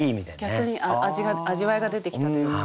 逆に味わいが出てきたというか。